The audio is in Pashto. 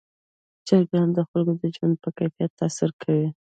چرګان د خلکو د ژوند په کیفیت تاثیر کوي.